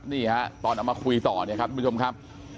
นี่ฮะตอนเอามาคุยต่อเนี่ยครับทุกผู้ชมครับ